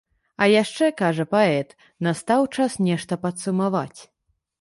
А яшчэ, кажа паэт, настаў час нешта падсумаваць.